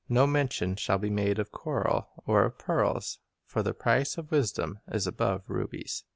No mention shall be made of coral, or of pearls; For the price of wisdom is above rubies."